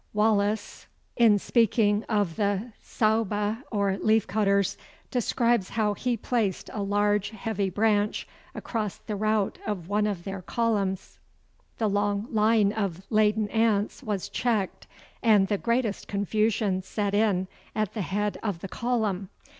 Wallace (Revue Scientifique, 179, p. 29), in speaking of the Saauba or leaf cutters, describes how he placed a large heavy branch across the route of one of their columns. The long line of laden ants was checked, and the greatest confusion set in at the head of the column.